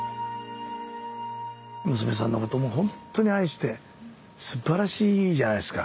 娘さんのこともほんとに愛してすばらしいじゃないですか。